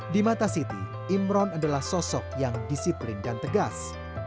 di mata siti imron adalah sosok yang disiplin dan tegas